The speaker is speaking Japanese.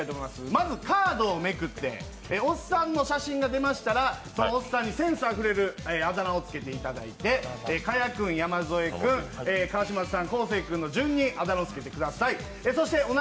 まずカードをめくっておっさんの写真が出ましたらおっさんにセンスあふれるあだ名をつけていただいて、賀屋君、山添君、川島さん、昴生君の順にあだ名を付けてください。